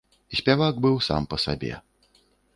Спявак быў сам па сабе.